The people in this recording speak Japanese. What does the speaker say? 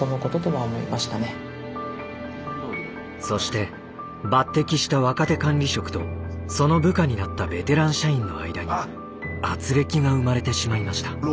そして抜てきした若手管理職とその部下になったベテラン社員の間にあつれきが生まれてしまいました。